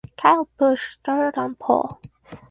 Kyle Busch started on pole.